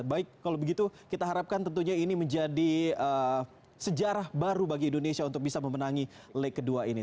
baik kalau begitu kita harapkan tentunya ini menjadi sejarah baru bagi indonesia untuk bisa memenangi leg kedua ini